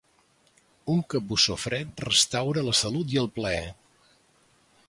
Un capbussó fred restaura la salut i el plaer.